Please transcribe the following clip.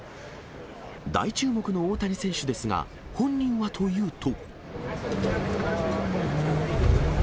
大注目の大谷選手ですが、本人はというと。